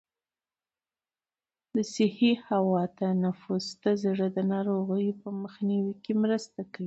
د صحي هوا تنفس د زړه د ناروغیو په مخنیوي کې مرسته کوي.